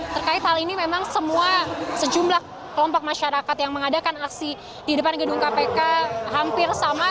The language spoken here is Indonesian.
terkait hal ini memang semua sejumlah kelompok masyarakat yang mengadakan aksi di depan gedung kpk hampir sama